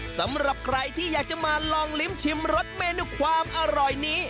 สำหรับใครที่อยากจะมาลองลิ้มชิมรสเมนูความอร่อยนี้